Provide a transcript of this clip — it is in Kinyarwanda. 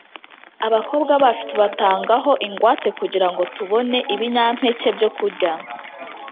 abakobwa bacu tubatangaho ingwate kugira ngo tubone ibinyampeke byo kurya